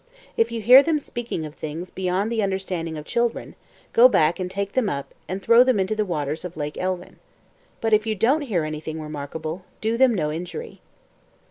If you hear them speaking of things beyond the understanding of children, go back and take them up and throw them into the waters of Lake Elvyn. But if you don't hear anything remarkable, do them no injury."